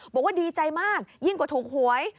บอกว่าดีใจมากยิ่งกว่าถูกหวย